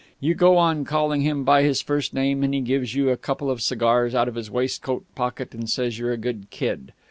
You go on calling him by his first name, and he gives you a couple of cigars out of his waistcoat pocket and says you're a good kid.